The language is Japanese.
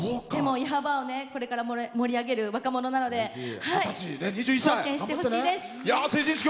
矢巾をこれから盛り上げる若者なので貢献してほしいです。